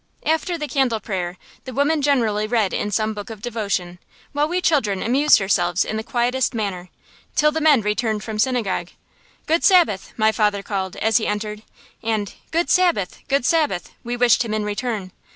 After the candle prayer the women generally read in some book of devotion, while we children amused ourselves in the quietest manner, till the men returned from synagogue. "Good Sabbath!" my father called, as he entered; and "Good Sabbath! Good Sabbath!" we wished him in return.